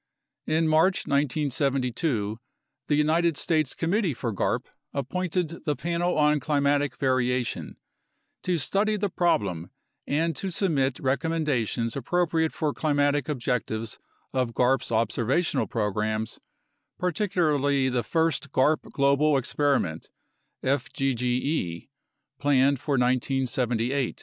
In March 1972, the United States Committee for garp appointed the Panel on Climatic Variation to study the problem and to submit recommendations appropriate for climatic objectives of garp observa tional programs, particularly the First garp Global Experiment (fgge) planned for 1978.